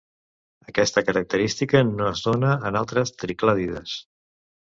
Aquesta característica no es dóna en altres triclàdides.